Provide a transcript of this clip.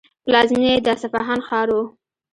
پلازمینه یې د اصفهان ښار و.